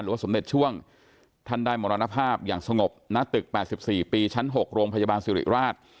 หรือว่าสมเด็จช่วงท่านได้มรวรณภาพอย่างสงบณ๘๔ปีช๖โรงพยาบาลสุริราช